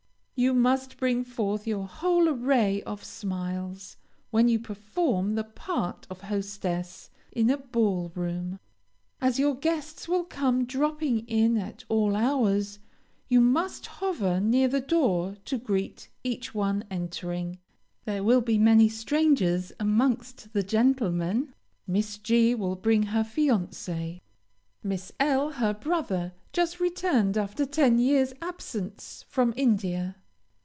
You must bring forth your whole array of smiles, when you perform the part of hostess in a ball room. As your guests will come dropping in at all hours, you must hover near the door to greet each one entering. There will be many strangers amongst the gentlemen. Miss G. will bring her fiancée. Miss L., her brother, just returned, after ten years' absence, from India.